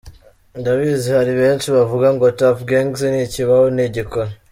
Ndabizi hari benshi bavuga ngo Tuff Gangz ntikibaho, ntigikora….